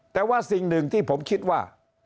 แต่ว่าสิ่งหนึ่งที่ผมคิดว่า